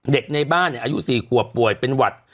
ในบ้านอายุ๔ขวบป่วยเป็นหวัด